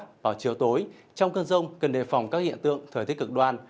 trong đêm tối trong cơn rông cần đề phòng các hiện tượng thời thiết cực đoan